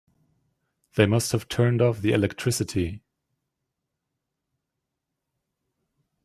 They must have turned off the electricity.